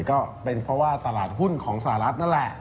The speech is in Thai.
ก็เป็นเพราะว่าตลาดหุ้นของสหรัฐนั่นแหละ